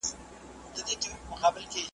آیا خوب تر ستړیا اړین دی؟